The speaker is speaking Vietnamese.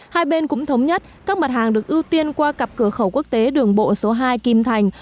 hai bên cũng thống nhất các mặt hàng được ưu tiên qua cặp cửa khẩu quốc tế đường bộ số hai kim thành